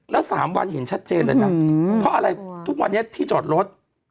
แล้ว๓วันเห็นชัดเจนเลยนะเพราะอะไรทุกวันนี้ที่จอดรถ